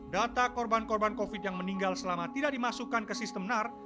data korban korban covid yang meninggal selama tidak dimasukkan ke sistem nar